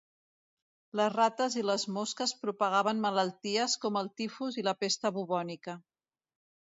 Les rates i les mosques propagaven malalties com el tifus i la pesta bubònica.